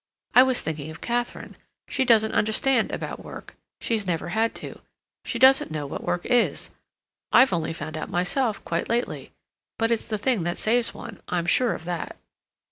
"I was thinking of Katharine. She doesn't understand about work. She's never had to. She doesn't know what work is. I've only found out myself quite lately. But it's the thing that saves one—I'm sure of that."